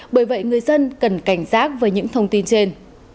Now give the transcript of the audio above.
bởi vậy người dân cần cảnh giác với những thông tin trên